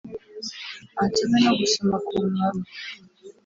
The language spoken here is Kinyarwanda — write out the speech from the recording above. Ansome no gusoma k’umunwa we